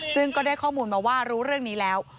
ซึ่งก็ได้ข้อมูลมาว่ารู้เรื่องนี้แล้ว